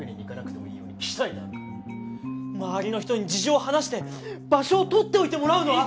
周りの人に事情を話して場所をとっといてもらうのは？